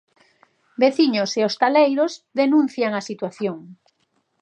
Veciños e hostaleiros denuncian a situación.